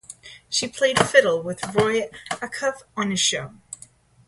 She played fiddle with Roy Acuff on his show.